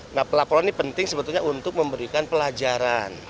nah pelaporan ini penting sebetulnya untuk memberikan pelajaran